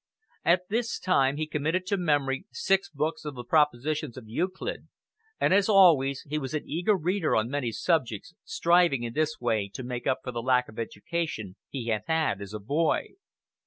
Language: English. At this time he committed to memory six books of the propositions of Euclid; and, as always, he was an eager reader on many subjects, striving in this way to make up for the lack of education he had had as a boy.